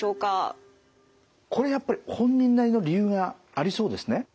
これやっぱり本人なりの理由がありそうですね。